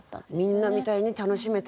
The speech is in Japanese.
みんなみたいに楽しめてない。